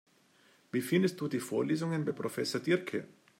Wie findest du die Vorlesungen bei Professor Diercke?